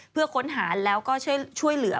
เพื่อค้นหาแล้วก็ช่วยเหลือ